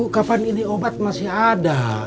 kapan ini obat masih ada